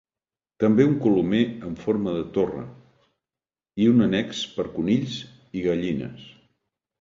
També un colomer en forma de torre, i un annex per conills i gallines.